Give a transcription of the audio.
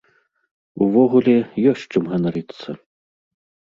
Увогуле, ёсць чым ганарыцца!